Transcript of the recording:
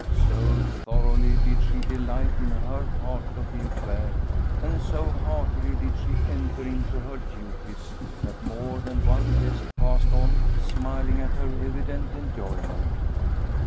So thoroughly did she delight in her part of the affair, and so heartily did she enter into her duties, that more than one guest passed on, smiling at her evident enjoyment.